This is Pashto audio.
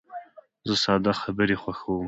زه ساده خبرې خوښوم.